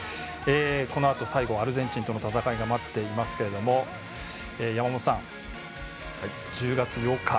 このあと最後アルゼンチンとの戦いが待っていますけれども山本さん、１０月８日。